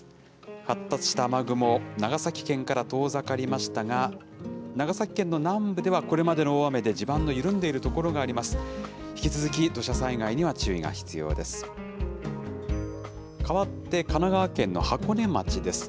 発達した雨雲、長崎県から遠ざかりましたが、長崎県の南部ではこれまでの大雨で地盤の緩んでいる所があります。